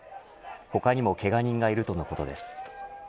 他にもけが人がいるとのことです